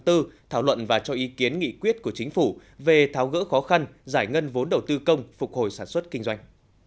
thảo luận và cho ý kiến nghị quyết của chính phủ về tháo gỡ khó khăn giải ngân vốn đầu tư công phục hồi sản xuất kinh doanh